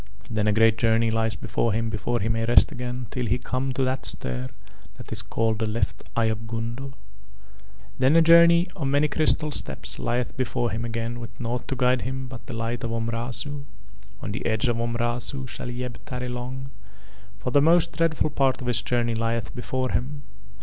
Then a great journey lies before him before he may rest again till he come to that star that is called the left eye of Gundo. Then a journey of many crystal steps lieth before him again with nought to guide him but the light of Omrazu. On the edge of Omrazu shall Yeb tarry long, for the most dreadful part of his journey lieth before him.